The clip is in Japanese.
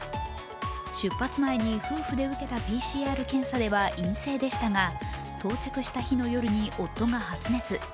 出発前に夫婦で受けたＰＣＲ検査では陰性でしたが到着した日の夜に夫が発熱。